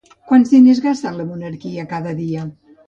Quans diners gasten la monarquia cada dia?